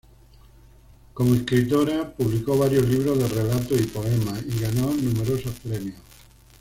Como escritora, publicó varios libros de relatos y poemas y ganó numerosos premios.